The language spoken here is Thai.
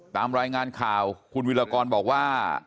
ตามรายงานข่าวคุณวิรากรบอกว่า